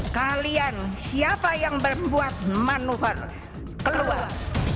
kalian siapa yang membuat manuver kerbau